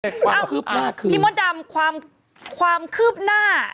เลยนะคือพี่อ่าพี่โมโดธรรมความความคืบหน้า